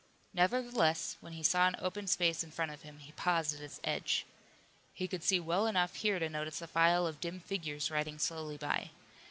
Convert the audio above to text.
Nevertheless when he saw an open space in front of him he paused at its edge. He could see well enough here to notice a file of dim figures riding slowly by.